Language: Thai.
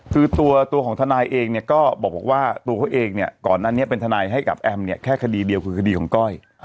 คือตัวของทนายเองเนี่ยก็บอกว่าตัวเขาเองเนี่ยก่อนอันนี้เป็นทนายให้กับแอมเนี่ยแค่คดีเดียวคือคดีของก้อย